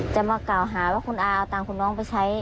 จะมากล่าวหาว่าคุณอาเอาตังค์คุณน้องไปใช้